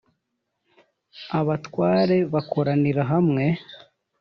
abatware bakoranira hamwe